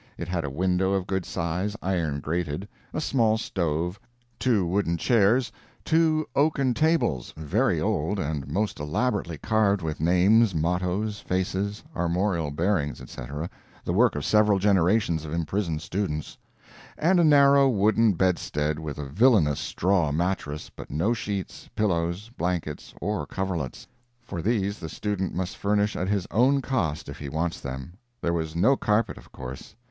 It had a window of good size, iron grated; a small stove; two wooden chairs; two oaken tables, very old and most elaborately carved with names, mottoes, faces, armorial bearings, etc. the work of several generations of imprisoned students; and a narrow wooden bedstead with a villainous straw mattress, but no sheets, pillows, blankets, or coverlets for these the student must furnish at his own cost if he wants them. There was no carpet, of course.